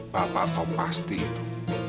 bapak tau pasti itu